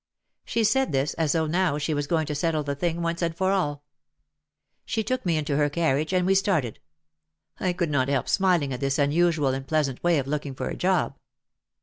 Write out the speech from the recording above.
She said this as though now she was going to settle the thing once and for all. She took me into her carriage and we started. I could not help smiling at this unusual and pleasant way of looking for a job.